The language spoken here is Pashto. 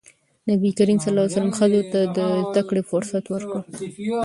نبي ﷺ ښځو ته د زدهکړې فرصت ورکړ.